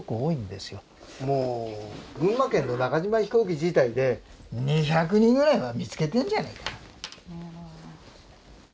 もう群馬県の中島飛行機自体で２００人ぐらいは見つけてるんじゃないか。